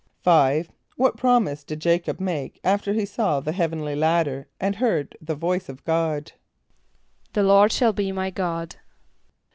"= =5.= What promise did J[=a]´cob make after he saw the heavenly ladder and heard the voice of God? ="The Lord shall be my God."